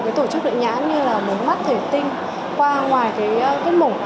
và khỏi toàn bộ tổ chức lợi nhãn như là mối mắt thể tinh qua ngoài cái cất mổ